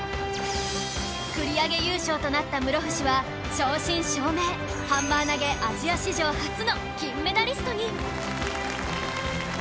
繰り上げ優勝となった室伏は正真正銘ハンマー投げアジア史上初の金メダリストに